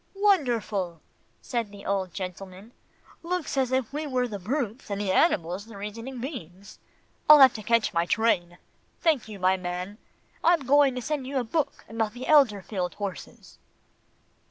"Wonderful," said the old gentleman, "looks as if we were the brutes, and the animals the reasoning beings I'll have to catch my train Thank you, my man. I'm going to send you a book about the Elberfeld horses."